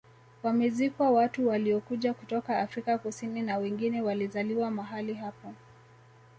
Wamezikwa watu waliokuja kutoka Afrika Kusini na wengine walizaliwa mahali hapo